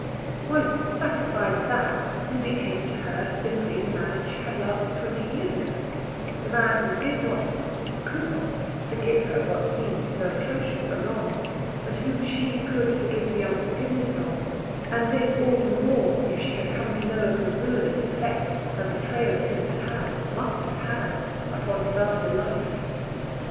Once satisfied of that, he became to her simply the man she had loved twenty years ago the man who did not, could not, forgive her what seemed so atrocious a wrong, but whom she could forgive the unforgiveness of; and this all the more if she had come to know of the ruinous effect her betrayal of him had had must have had upon his after life.